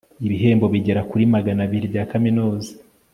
ibihembo bigera kuri magana abiri bya kaminuza